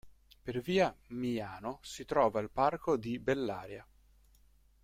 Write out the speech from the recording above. Per via Miano si trova il Parco di Bellaria.